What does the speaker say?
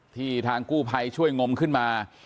ทางกู้ภัยช่วยงมขึ้นมา